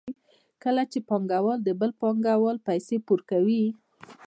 کله چې پانګوال د بل پانګوال پیسې پور کوي